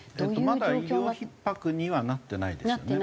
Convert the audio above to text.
まだ医療ひっ迫にはなってないですよね。